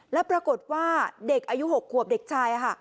และปรากฎว่าเด็กอยู่๖ควบเด็กชายอะค่ะ